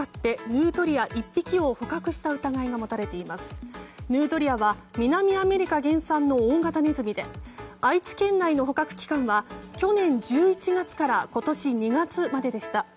ヌートリアは南アメリカ原産の大型ネズミで愛知県内の捕獲期間は去年１１月から今年２月まででした。